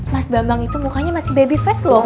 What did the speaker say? mas bambang itu mukanya masih baby fest loh